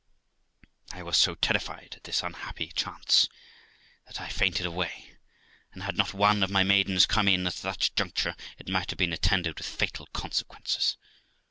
I was so terrified at this unhappy chance that I fainted away, and had not one of my maidens come in at that juncture, it might have been attended with fatal consequences.